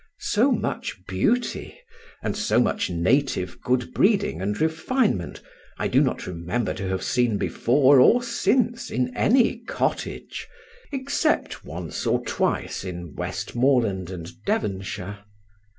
So much beauty, and so much native good breeding and refinement, I do not remember to have seen before or since in any cottage, except once or twice in Westmoreland and Devonshire.